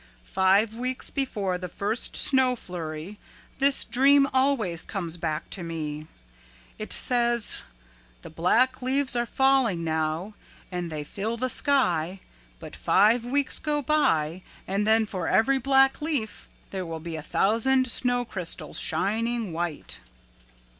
Five weeks before the first snow flurry this dream always comes back to me. It says, 'The black leaves are falling now and they fill the sky but five weeks go by and then for every black leaf there will be a thousand snow crystals shining white.'"